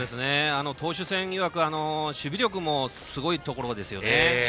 投手戦で守備力もすごいところですね。